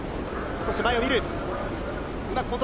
そして前を見る。